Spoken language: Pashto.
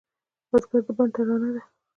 بزګر د بڼ ترانه ده